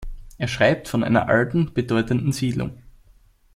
Er schreibt von einer alten bedeutenden Siedlung.